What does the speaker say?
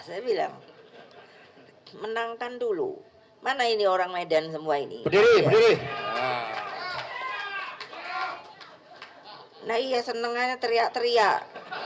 saya bilang menangkan dulu mana ini orang medan semua ini nah iya seneng aja teriak teriak